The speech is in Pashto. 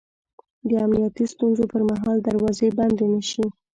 د امنیتي ستونزو پر مهال دروازې بندې نه شي